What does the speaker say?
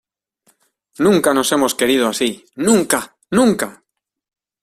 ¡ nunca nos hemos querido así! ¡ nunca !¡ nunca !...